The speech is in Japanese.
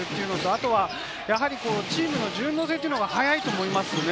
あとはチームの順応性が早いと思います。